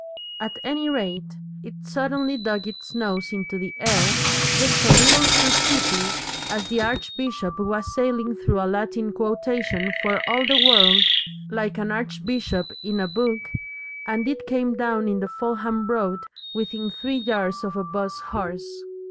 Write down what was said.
At any rate, it suddenly dug its nose into the air just a little too steeply as the archbishop was sailing through a Latin quotation for all the world like an archbishop in a book, and it came down in the Fulham Road within three yards of a 'bus horse.